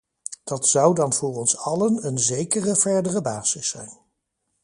Dat zou dan voor ons allen een zekere verdere basis zijn.